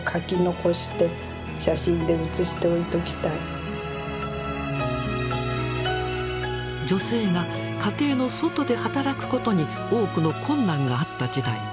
本当にねそう言えば女性が家庭の外で働くことに多くの困難があった時代。